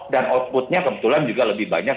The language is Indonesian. dan outputnya kebetulan juga lebih banyak